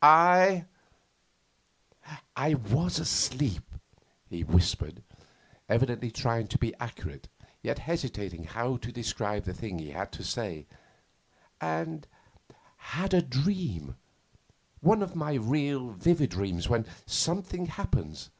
'I I was asleep,' he whispered, evidently trying to be accurate, yet hesitating how to describe the thing he had to say, 'and had a dream one of my real, vivid dreams when something happens.